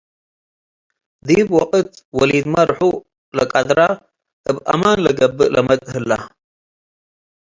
ዲብ ወቅት ወሊድመ ርሑ ለቀድረ፣ እብ እማት ለገብእ ለመድ ሀለ ።